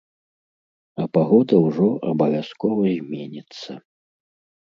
А пагода ўжо абавязкова зменіцца.